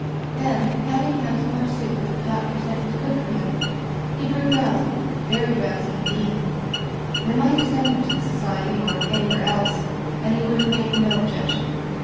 Then, having had as much soup as the doctor said was good for him, he grew drowsy — ^very drowsy, indeed. They might have sent him to the Society, or anywhere else, and he would have made no objection.